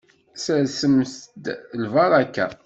Sersemt-d lbaraka.